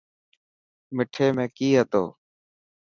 مٺي ۾ ڪئي هتو؟